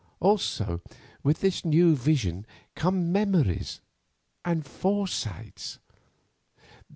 Also with this new vision come memories and foresights.